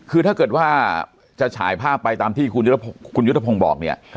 คือถ้าเกิดว่าจะฉายภาพไปตามที่คุณยุทธพงศ์บอกเนี่ย